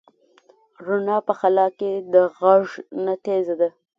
رڼا په خلا کې د غږ نه تېزه ده.